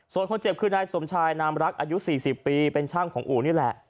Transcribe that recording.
ส่วนคนเจ็บคือนายสมชายนามรักอายุ๔๐ปีเป็นช่างของอู่นี่แหละ